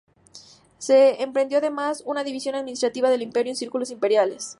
Se emprendió además una división administrativa del imperio en círculos imperiales.